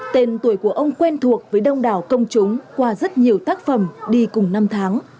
tên tuổi của ông quen thuộc với đông đảo công chúng qua rất nhiều tác phẩm đi cùng năm tháng